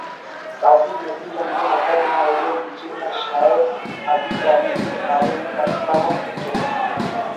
ساجد نذیر ہندن ادب نا ایلو گچین آ شاعر ادیب آتے کن کاریم کتون تو